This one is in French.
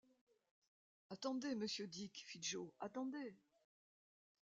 Attendez, monsieur Dick! fit Joe, attendez !